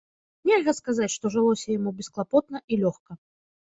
Нельга сказаць, што жылося яму бесклапотна і лёгка.